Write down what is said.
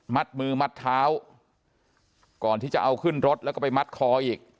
มือมัดเท้าก่อนที่จะเอาขึ้นรถแล้วก็ไปมัดคออีก